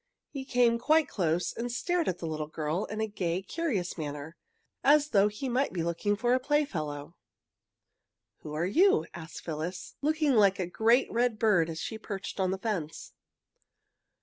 He came quite close and stared at the little girl in a gay, curious manner, as though he might be looking for a playfellow. "Who are you?" asked Phyllis, looking like a great red bird as she perched on the fence.